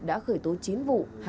đã khởi tố chín vụ